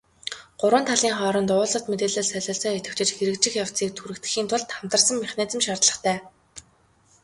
Гурван талын хооронд уулзалт, мэдээлэл солилцоо идэвхжиж, хэрэгжих явцыг түргэтгэхийн тулд хамтарсан механизм шаардлагатай.